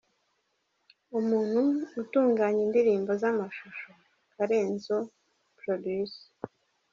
Umuntu utunganya indirimbo z’amashusho: Karenzo Pro.